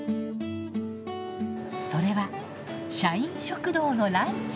それは社員食堂のランチ。